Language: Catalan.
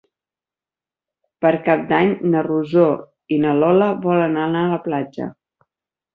Per Cap d'Any na Rosó i na Lola volen anar a la platja.